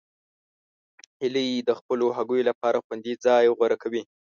هیلۍ د خپلو هګیو لپاره خوندي ځای غوره کوي